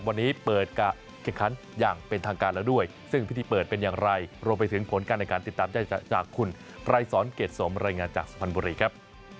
วันนี้เปิดการแข่งขันอย่างเป็นทางการแล้วด้วยซึ่งพิธีเปิดเป็นอย่างไรรวมไปถึงผลการในการติดตามได้จากคุณไพรสอนเกรดสมรายงานจากสุพรรณบุรีครับ